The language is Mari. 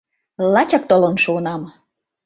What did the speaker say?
Лачак толын шуынам!..